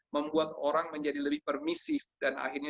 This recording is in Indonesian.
membuat orang menjadi lebih permisif dan akhirnya